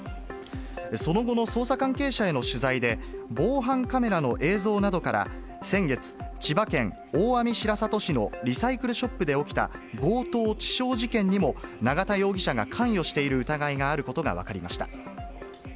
その後の捜査関係者への取材で、防犯カメラの映像などから、先月、千葉県大網白里市のリサイクルショップで起きた強盗致傷事件にも、永田容疑者が関与している疑いがあることが分かりました。